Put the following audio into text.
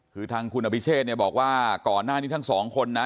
คือทางคุณอภิเชษเนี่ยบอกว่าก่อนหน้านี้ทั้งสองคนนะ